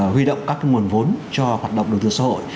huy động các nguồn vốn cho hoạt động đầu tư xã hội